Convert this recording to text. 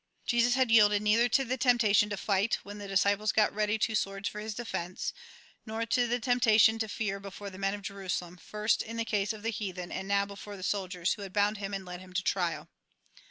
Jesus had yielded neither to the temptation to fight, when the disciples got ready two swords for his defence, nor to the temptation to fear before the men of Jerusalem, first, in the case of the heaven, 2l8 THE GOSPEL IN BRIEF and now before the soldiers, who had bound him and led him to trial.